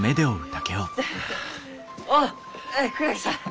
おっ倉木さん